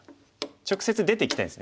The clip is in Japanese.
直接出ていきたいんですね